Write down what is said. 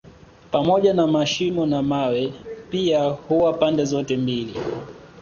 Pamoja na mashimo na mawe pia huwa pande zote mbili